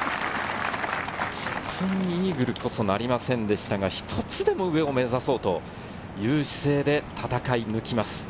チップインインイーグルこそなりませんでしたが、一つでも上を目指そうという姿勢で戦い抜きます。